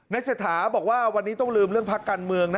เศรษฐาบอกว่าวันนี้ต้องลืมเรื่องพักการเมืองนะ